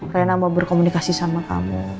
karena mau berkomunikasi sama kamu